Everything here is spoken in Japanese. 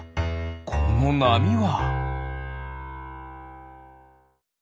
このなみは？